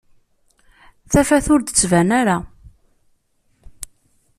Tafat ur d-tban ara